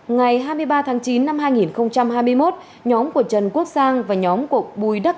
ngày hai mươi ba tháng chín năm hai nghìn hai mươi một nhóm của trần quốc sang và nhóm của bùi đức